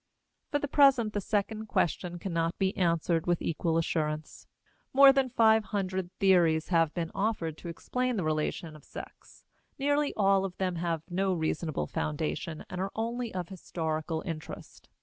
For the present, the second question cannot be answered with equal assurance. More than five hundred theories have been offered to explain the relation of sex; nearly all of them have no reasonable foundation and are only of historical interest.